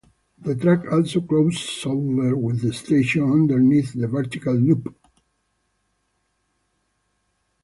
The track also crosses over, with the station underneath the vertical loop.